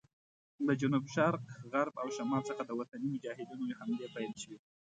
له جنوب شرق، غرب او شمال څخه د وطني مجاهدینو حملې پیل شوې.